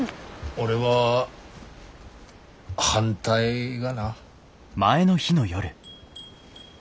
俺は反対がな。